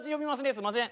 すんません。